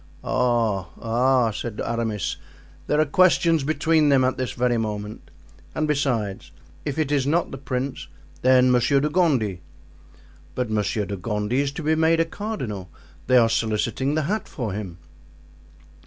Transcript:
"Oh oh!" said Aramis, "there are questions between them at this very moment. And besides, if it is not the prince, then Monsieur de Gondy——" "But Monsieur de Gondy is to be made a cardinal; they are soliciting the hat for him."